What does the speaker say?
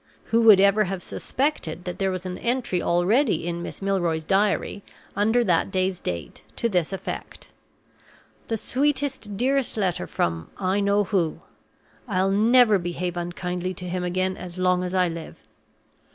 Who would ever have suspected that there was an entry already in Miss Milroy's diary, under that day's date, to this effect: "The sweetest, dearest letter from I know who; I'll never behave unkindly to him again as long as I live?"